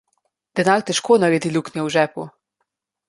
Denar težko naredi luknjo v žepu.